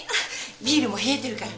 ビールも冷えてるから。